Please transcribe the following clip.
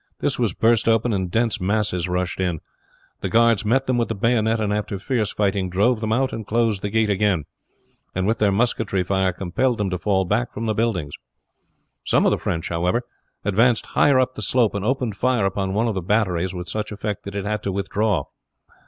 This was burst open and dense masses rushed in. The guards met them with the bayonet, and after fierce fighting drove thorn out and closed the gate again, and with their musketry fire compelled them to fall back from the buildings. Some of the French, however, advanced higher up the slope, and opened fire upon one of the batteries with such effect that it had to withdraw.